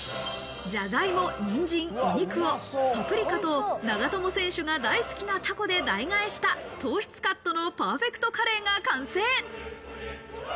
じゃがいも、にんじん、お肉をパプリカと長友選手が大好きなタコで代替した、糖質カットのパーフェクトカレーが完成。